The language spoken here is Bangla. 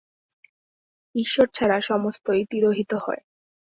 ঈশ্বর ছাড়া সমস্তই তিরোহিত হয়।